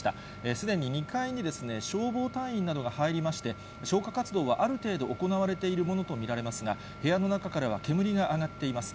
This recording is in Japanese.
すでに２階に消防隊員などが入りまして、消火活動がある程度行われているものと見られますが、部屋の中からは煙が上がっています。